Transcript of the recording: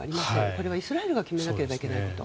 これはイスラエルが決めなければいけないこと。